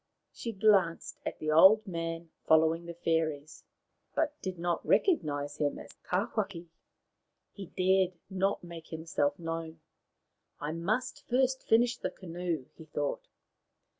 She glanced at the old man following the fairies, but did not recognize him as Tawhaki. He dared not make himself known. " I must first finish the canoe," he thought.